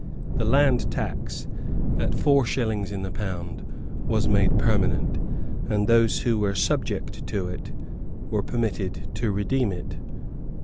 The land tax, at four shillings in the pound, was made permanent; and those who were subject to it were permitted to redeem it.